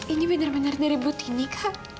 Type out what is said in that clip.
ini benar benar dari butini kak